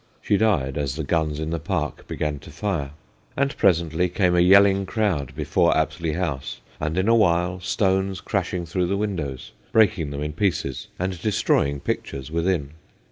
She died as the guns in the Park began to fire. And presently came a yelling crowd before Apsley House, and hi a while stones crash ing through the windows, breaking them in pieces and destroying pictures within.